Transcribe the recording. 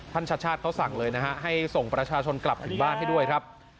ชัชชาติเขาสั่งเลยนะฮะให้ส่งประชาชนกลับถึงบ้านให้ด้วยครับ